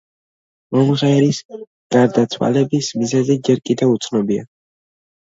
მომღერლის გარდაცვალების მიზეზი ჯერ კიდევ უცნობია.